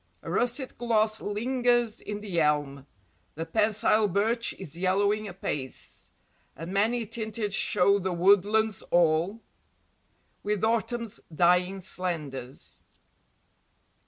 A russet gloss lingers in the elm; The pensile birch is yellowing apace, And many tinted show the woodlands all, With autumn's dying slendours.